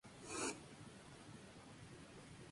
Es un pájaro carpintero de tamaño mediano.